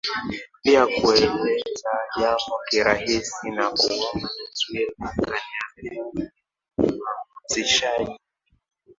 pia kueleza jambo kirahisi na kuumba taswira Akaniambia wewe ni mhamasishaji